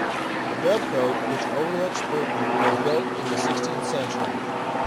The Dovecote which overlooks Bruton was built in the sixteenth century.